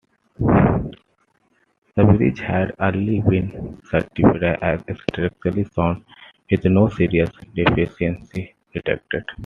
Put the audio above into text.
The bridge had earlier been certified as structurally sound with no serious deficiencies detected.